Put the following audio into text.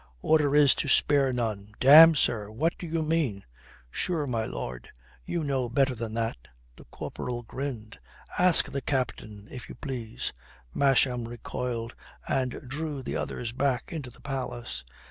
"Order is to spare none." "Damme, sir, what do your mean?" "Sure, my lord, you know better than that." The corporal grinned. "Ask the captain, if you please." Masham recoiled and drew the others back into the palace.